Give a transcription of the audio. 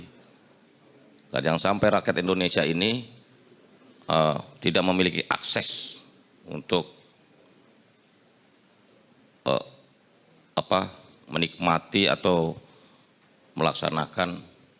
jangan sampai rakyat indonesia ini tidak memiliki akses untuk menikmati atau melaksanakan